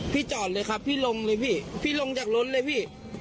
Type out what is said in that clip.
จอดเลยครับพี่ลงเลยพี่พี่ลงจากรถเลยพี่